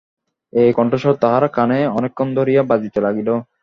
এই কণ্ঠস্বর তাহার কানে অনেকক্ষণ ধরিয়া বাজিতে লাগিল।